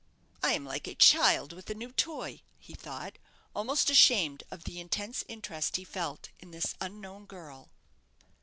"I am like a child with a new toy," he thought, almost ashamed of the intense interest he felt in this unknown girl.